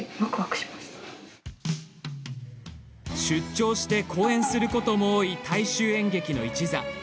出張して公演することも多い大衆演劇の一座。